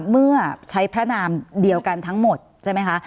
เมื่อใช้พระนามเดียวกันทั้งหมดใช่ไหมคะ